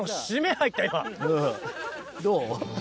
どう？